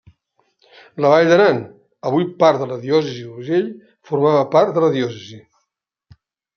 La vall d'Aran, avui part de la diòcesi d'Urgell, formava part de la diòcesi.